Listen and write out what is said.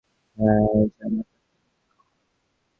হ্যাঁ, জামাটা চমৎকার।